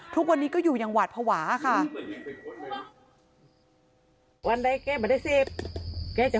ทุกวันนี้ก็อยู่อย่างหวาดภาวะค่ะ